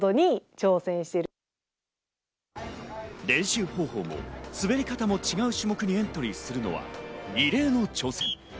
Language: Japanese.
練習方法も滑り方も違う種目にエントリーするのは異例の挑戦。